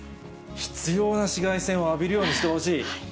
必要な紫外線を浴びるようにしてほしい。